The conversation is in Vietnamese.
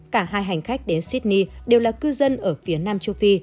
cả hai hành khách đến sydney đều là cư dân ở phía nam châu phi